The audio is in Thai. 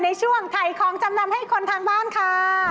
ในช่วงถ่ายของจำนำให้คนทางบ้านค่ะ